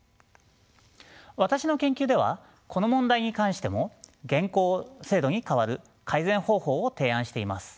私の研究ではこの問題に関しても現行制度に代わる改善方法を提案しています。